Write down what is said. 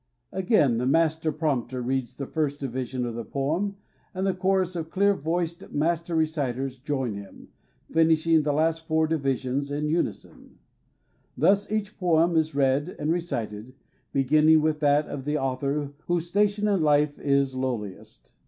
Again, the Master prompter reads the first division of the poem, and the chorus of clear voiced Master reciters join him, finishing the last four divisions in unison. Thus each poem is read and recited, beginning with that of the au thor whose station in life is lowliest.